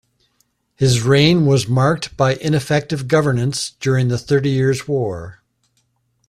His reign was marked by ineffective governance during the Thirty Years' War.